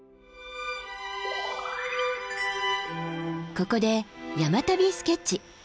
ここで「山旅スケッチ」。